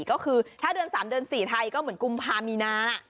โดยความยาวคือกุมภามีนา